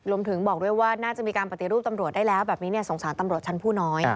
บอกด้วยว่าน่าจะมีการปฏิรูปตำรวจได้แล้วแบบนี้สงสารตำรวจชั้นผู้น้อย